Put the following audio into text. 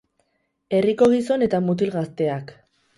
Herriko gizon eta mutil gazteak.